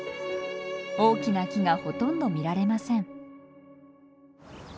大きな木がほとんど見られません。